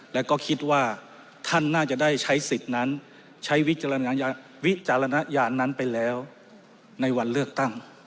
แล้วก็คิดว่าท่านน่าจะได้ใช้สิทธิ์นั้นใช้วิจารณญาณนั้นไปแล้วในวันเลือกตั้ง